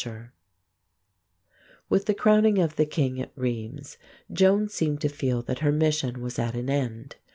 Scherrer] With the crowning of the king at Rheims Joan seemed to feel that her mission was at an end.